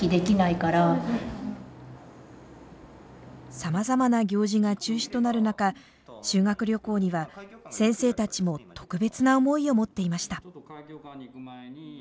さまざまな行事が中止となる中修学旅行には先生たちも特別な思いを持っていました。